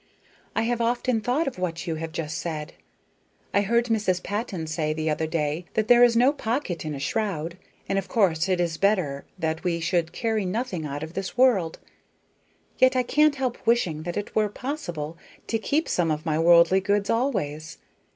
I have often thought of what you have just said. I heard Mrs. Patton say the other day that there is no pocket in a shroud, and of course it is better that we should carry nothing out of this world. Yet I can't help wishing that it were possible to keep some of my worldly goods always.